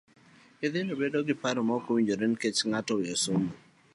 Nyithindo bedo gi paro mokowinjore kuom skul nikech nitie ng'at ma oweyo somo.